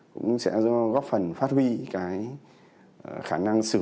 cũng sẽ góp phần phát huy cái khả năng sử dụng